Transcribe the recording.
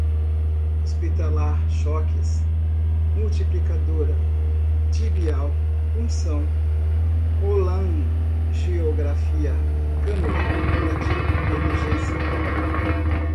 hospitalar, choques, multiplicadora, tibial, punção, colangiografia, cânula, curativo, emergência